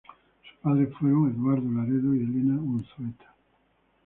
Sus padres fueron Eduardo Laredo y Elena Unzueta.